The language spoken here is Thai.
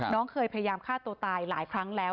น้องเคยพยายามฆ่าตัวตายหลายครั้งแล้ว